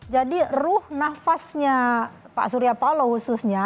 jadi ruh nafasnya pak surya paloh khususnya